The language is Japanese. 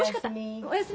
お休み。